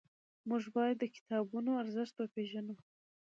موږ باید د کتابونو ارزښت وپېژنو.